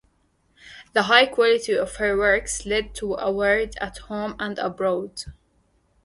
The high quality of her works led to awards at home and abroad.